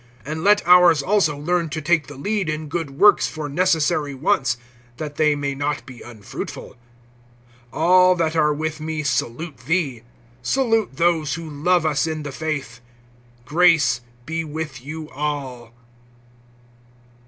(14)And let ours also learn to take the lead in good works for necessary wants, that they may not be unfruitful. (15)All that are with me salute thee. Salute those who love us in the faith. Grace be with you all.